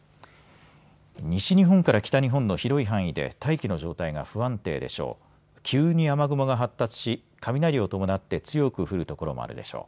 西日本から北日本の広い範囲で大気の状態が不安定でしょう。